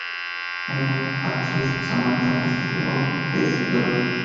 Mejor Actriz-Samantha Castillo Out Fest S. Dom.